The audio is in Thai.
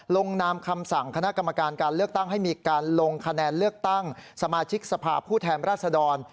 ลงนามคำสั่งคณะกรรมการการเลือกตั้งให้มีการลงคะแนนเลือกตั้งสมาชิกสภาพผู้แทนราชดร